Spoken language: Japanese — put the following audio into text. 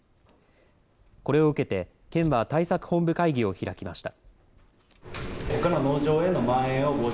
これを受けて県は対策本部会議を開きました。